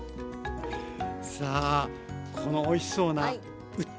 さあこのおいしそうなうっ